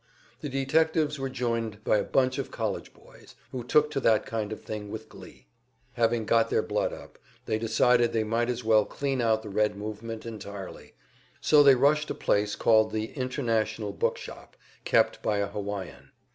The detectives were joined by a bunch of college boys, who took to that kind of thing with glee. Having got their blood up, they decided they might as well clean out the Red movement entirely, so they rushed a place called the "International Book Shop," kept by a Hawaiian.